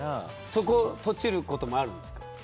そこをとちることもあるんですか。